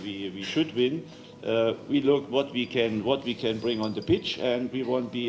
kita lihat apa yang kita bisa bawa di pijak dan kita tidak akan menjadi musuh yang baik